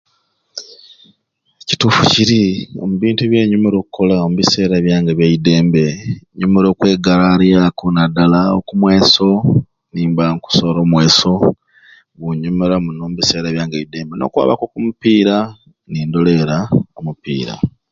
Ekituufu kiri ebintu byenyumirwa okkola omu biseera byange ebyaidembe nyumirwa okwegalaalyaku naddala oku mweso, nimba nkusola omweso gunyumira muno omubiseera byange ebyaidembe n'okwabaku oku mupiira nindoleera omupiira